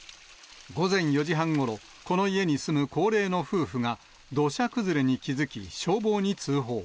午前４時半ごろ、この家に住む高齢の夫婦が、土砂崩れに気付き、消防に通報。